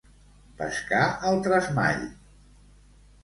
Pescar al tresmall.